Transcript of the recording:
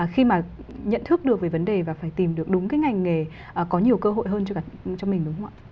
khi mà nhận thức được về vấn đề và phải tìm được đúng cái ngành nghề có nhiều cơ hội hơn cho cả cho mình đúng không ạ